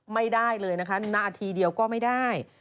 ไม่ได้เลยนะคะนาทีเดียวก็ไม่ได้